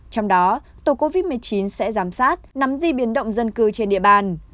trong đó tổ covid một mươi chín sẽ giám sát nắm di biến động dân cư trên địa bàn